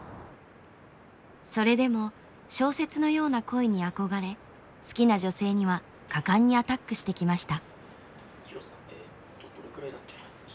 それでも小説のような「恋」に憧れ好きな女性には果敢にアタックしてきました。